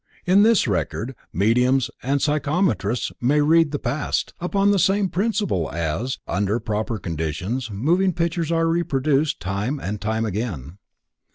In this record mediums and psychometrists may read the past, upon the same principle as, under proper conditions, moving pictures are reproduced time and again.